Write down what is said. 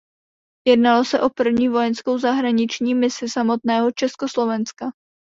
Jednalo se o první vojenskou zahraniční misi samostatného Československa.